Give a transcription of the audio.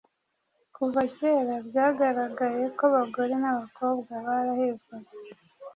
Kuva kera byagaragaye ko abagore n’abakobwa barahezwaga